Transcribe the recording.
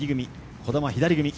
児玉、左組み。